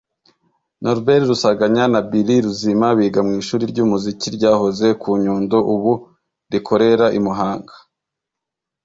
Norbert Rusanganya na Billy Ruzima) biga mu ishuri ry’umuziki ryahoze ku Nyundo ubu rikorera i Muhanga